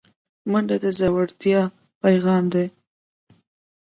منډه د زړورتیا پیغام دی